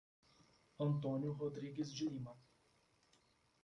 Antônio Rodrigues de Lima